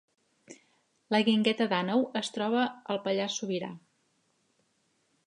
La Guingueta d’Àneu es troba al Pallars Sobirà